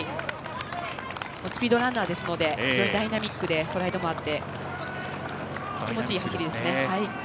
スピードランナーですのでダイナミックでストライドもあって気持ちいい走りです。